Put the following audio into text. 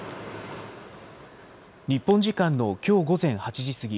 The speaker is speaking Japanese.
日本時間のきょう午前８時過ぎ